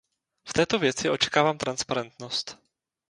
V této věci očekávám transparentnost.